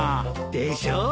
でしょ。